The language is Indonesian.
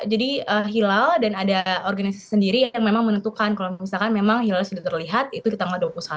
hilal dan ada organisasi sendiri yang memang menentukan kalau misalkan memang hilal sudah terlihat itu di tanggal dua puluh satu